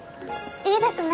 いいですね。